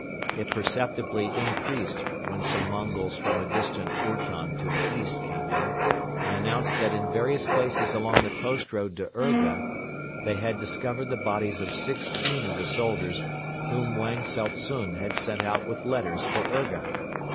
It perceptibly increased when some Mongols from a distant ourton to the east came in and announced that in various places along the post road to Urga they had discovered the bodies of sixteen of the soldiers whom Wang Tsao tsun had sent out with letters for Urga.